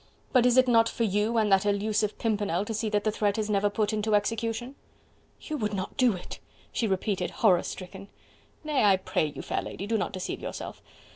but is it not for you and that elusive Pimpernel to see that the threat is never put into execution?" "You would not do it!" she repeated, horror stricken. "Nay! I pray you, fair lady, do not deceive yourself.